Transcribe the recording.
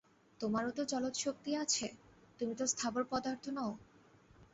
তোমারও তো চলৎশক্তি আছে, তুমি তো স্থাবর পদার্থ নও।